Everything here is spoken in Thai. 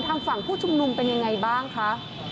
ทางฝั่งผู้ชุมนุมเป็นยังไงบ้างคะ